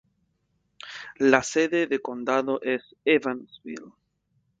La sede de condado es Evansville.